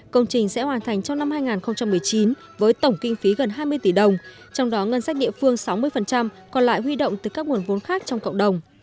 công trình sẽ hoàn thành trong năm hai nghìn một mươi chín với tổng kinh phí gần hai mươi tỷ đồng trong đó ngân sách địa phương sáu mươi còn lại huy động từ các nguồn vốn khác trong cộng đồng